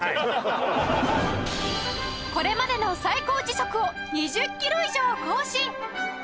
これまでの最高時速を２０キロ以上更新！